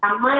kamu mah ya